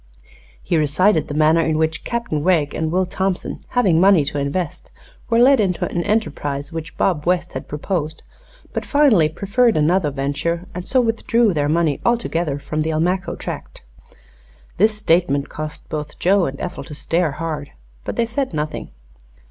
He recited the manner in which Captain Wegg and Will Thompson, having money to invest, were led into an enterprise which Bob West had proposed, but finally preferred another venture and so withdrew their money altogether from the Almaquo tract. This statement caused both Joe and Ethel to stare hard, but they said nothing.